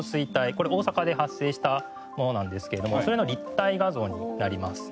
これ大阪で発生したものなんですけれどもそれの立体画像になります。